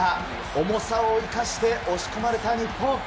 重さを生かして押し込まれた日本。